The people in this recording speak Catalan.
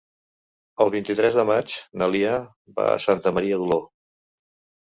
El vint-i-tres de maig na Lia va a Santa Maria d'Oló.